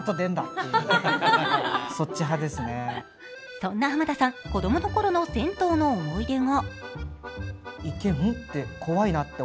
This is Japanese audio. そんな濱田さん、子供の頃の銭湯の思い出が。